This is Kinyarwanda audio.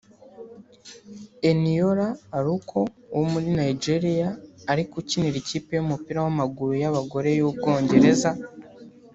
Eniola Aluko wo muri Nigeria ariko ukinira ikipe y’Umupira w’amaguru y’abagore y’u Bwongereza